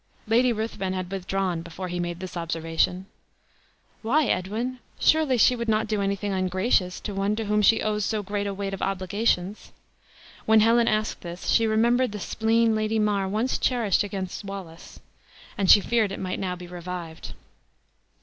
Lady Ruthven had withdrawn before he made this observation. "Why, Edwin? surely she would not do anything ungracious to one to whom she owes so great a weight of obligations?" When Helen asked this, she remembered the spleen Lady Mar once cherished against Wallace; and she feared it might now be revived.